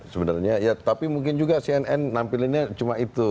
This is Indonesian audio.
sebenarnya ya tapi mungkin juga cnn nampilinnya cuma itu